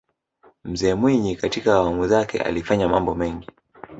mzee mwinyi katika awamu zake alifanya mambo mengi